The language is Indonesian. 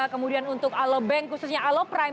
kemudian untuk alobank khususnya aloprime